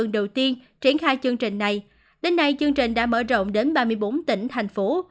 đến nay chương trình đã mở rộng đến ba mươi bốn tỉnh thành phố